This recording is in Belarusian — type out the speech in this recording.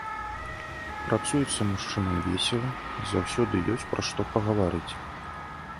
Працуецца мужчынам весела, заўсёды ёсць пра што пагаварыць.